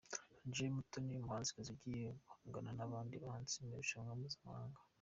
Angel Mutoni umuhanzikazi ugiye guhangana n'abandi bahanzi mu irushanwa mpuzamahanga.